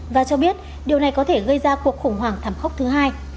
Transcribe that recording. và cho biết điều này có thể gây ra cuộc khủng hoảng thảm khốc thứ hai